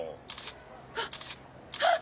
あっあっ！